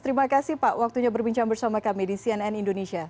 terima kasih pak waktunya berbincang bersama kami di cnn indonesia